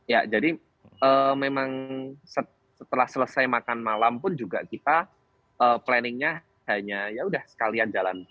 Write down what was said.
ya jadi memang setelah selesai makan malam pun juga kita planning nya hanya ya udah sekalian jalan